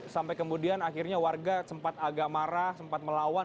sampai kemudian akhirnya warga sempat agak marah sempat melawan